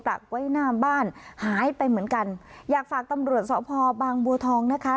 ปากไว้หน้าบ้านหายไปเหมือนกันอยากฝากตำรวจสพบางบัวทองนะคะ